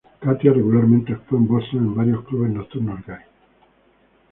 Katya regularmente actúa en Boston en varios clubes nocturnos gays.